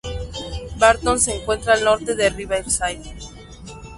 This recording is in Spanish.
Barton se encuentra al norte de Riverside.